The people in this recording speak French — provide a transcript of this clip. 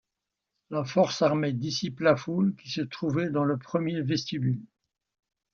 La force armée dissipe la foule qui se trouvait dans le premier vestibule.